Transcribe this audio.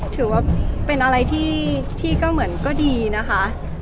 ถือว่าเป็นอะไรที่ก็เหมือนก็ดีนะคะ